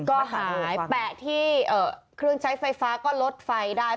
ก็หายแปะที่เครื่องใช้ไฟฟ้าก็ลดไฟได้